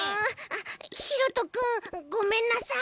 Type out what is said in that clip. ひろとくんごめんなさい。